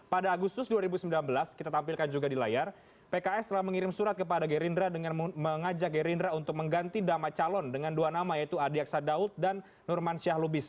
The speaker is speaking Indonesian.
pada agustus dua ribu sembilan belas kita tampilkan juga di layar pks telah mengirim surat kepada gerindra dengan mengajak gerindra untuk mengganti nama calon dengan dua nama yaitu adi aksa daud dan nurman syahlubis